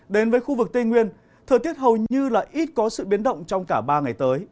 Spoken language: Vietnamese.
đến với khu vực tây nguyên thời tiết hầu như là ít có sự biến động trong cả ba ngày tới